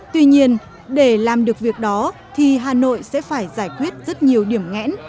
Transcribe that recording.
tuy nhiên để làm được việc đó thì hà nội sẽ phải giải quyết rất nhiều điểm ngẽn